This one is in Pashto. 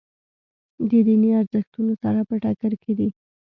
د دیني ارزښتونو سره په ټکر کې دي.